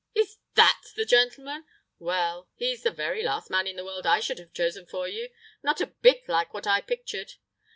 "Is that the gentleman! Well! he's the very last man in the world I should have chosen for you! Not a bit like what I pictured....